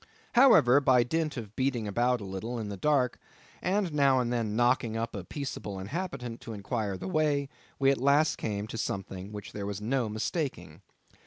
However, by dint of beating about a little in the dark, and now and then knocking up a peaceable inhabitant to inquire the way, we at last came to something which there was no mistaking.